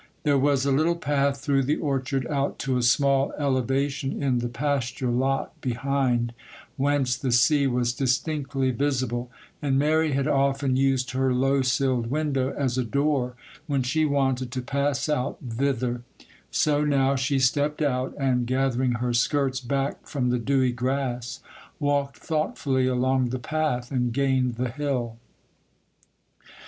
There was a little path through the orchard out to a small elevation in the pasture lot behind, whence the sea was distinctly visible, and Mary had often used her low silled window as a door when she wanted to pass out thither; so now she stepped out, and, gathering her skirts back from the dewy grass, walked thoughtfully along the path and gained the hill.